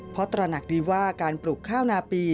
เพราะตระหนักดีว่าการปลูกข้าวนาปี